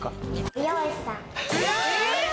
美容師さん。